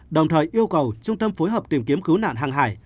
đồng thời yêu cầu trung tâm phối hợp tìm kiếm cứu nạn hàng hải